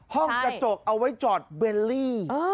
ห้องกระจกเอาไว้จอดเบลลี่